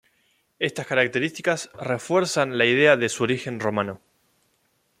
Estas características refuerzan la idea de su origen romano.